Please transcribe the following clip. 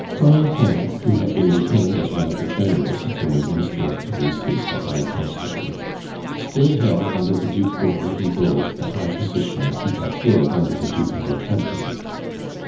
Corentin, who had been retained as one of the generals of whom the Minister of Police is the High Constable, still held under the Duc de Rovigo the high position he had filled under the Duke of Otranto.